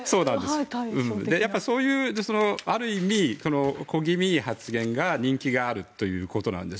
ある意味、小気味いい発言が人気があるということなんです。